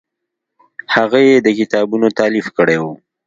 هغه یې د کتابونو تالیف کړی و.